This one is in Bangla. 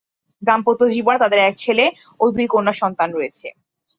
দাম্পত্য জীবনে তাঁদের এক ছেলে ও দুই কন্যা সন্তান রয়েছে।